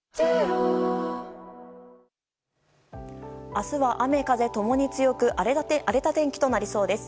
明日は雨風ともに強く荒れた天気となりそうです。